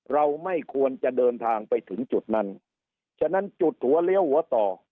เราไม่ควรจะเดินทางไปถึงจุดนั้นฉะนั้นจุดหัวเลี้ยวหัวต่อ